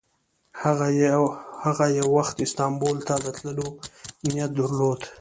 هغه یو وخت استانبول ته د تللو نیت درلود.